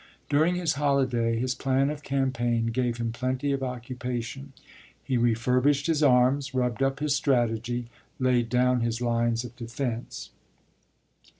During his holiday his plan of campaign gave him plenty of occupation. He refurbished his arms, rubbed up his strategy, laid down his lines of defence.